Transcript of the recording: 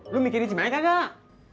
lu mikirin si maik gak